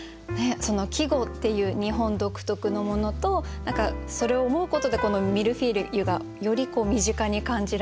季語っていう日本独特のものとそれを思うことでこの「ミルフィーユ」がより身近に感じられる。